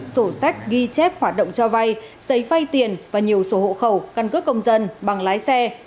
sổ sách ghi chép hoạt động cho vay giấy phay tiền và nhiều sổ hộ khẩu căn cước công dân bằng lái xe